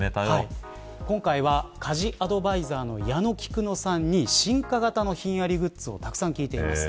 今回は、家事アドバイザーの矢野きくのさんに、進化形のひんやりグッズをたくさん聞いています。